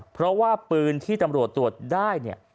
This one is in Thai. เพราะว่าปืนที่ตำรวจตรวจได้เนี่ย